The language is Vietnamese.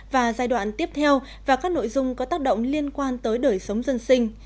và giai đoạn tiếp theo và các nội dung có tác động liên quan tới đời sống dân sinh